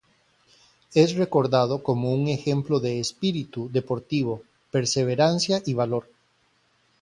Es recordado como un ejemplo de espíritu deportivo, perseverancia y valor.